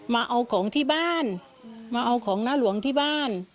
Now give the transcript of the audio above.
มาเอาของที่บ้านมาเอาของหน้าหลวงที่บ้าน